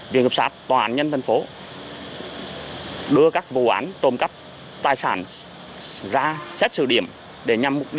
viện ngập sát tòa ảnh nhân thành phố đưa các vụ án trung cấp tài sản ra xét sự điểm để nhằm